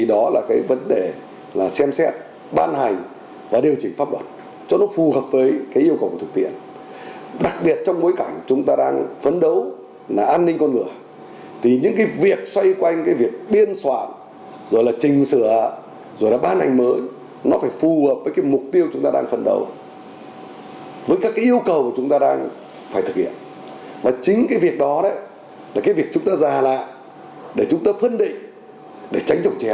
đặc biệt trong bối cảnh chúng ta đang phấn đấu là an ninh con ngựa thì những cái việc xoay quanh cái việc biên soạn rồi là trình sửa rồi là ban hành mới nó phải phù hợp với cái mục tiêu chúng ta đang phấn đấu với các cái yêu cầu chúng ta đang phải thực hiện và chính cái việc đó là cái việc chúng ta già lạ để chúng ta phân định để tránh trọng trẻ